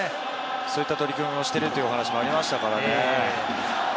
そういった取り組みもしているというお話がありましたからね。